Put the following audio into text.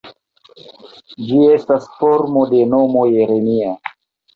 Ĝi estas formo de nomo Jeremia.